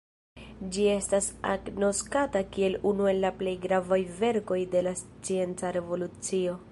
Ĝi estas agnoskata kiel unu el la plej gravaj verkoj de la Scienca revolucio.